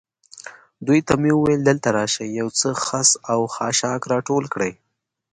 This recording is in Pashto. دوی ته مې وویل: دلته راشئ، یو څه خس او خاشاک را ټول کړئ.